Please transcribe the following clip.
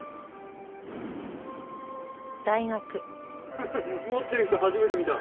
フフッ持ってる人初めて見た。